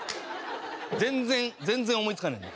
全然全然思いつかないんだ？